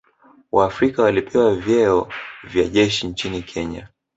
waafrika walipewa vyeo vya jeshi nchini Kenya